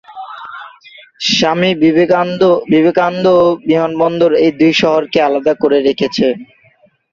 স্বামী বিবেকানন্দ বিমানবন্দর এই দুই শহরকে আলাদা করে রেখেছে।